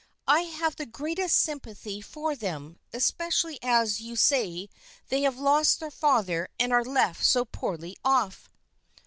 I have the greatest sympathy for them, especially as you say they have lost their father and are left so poorly off."